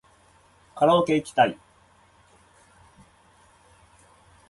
カラオケいきたい